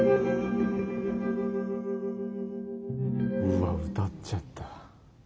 うわっ歌っちゃった。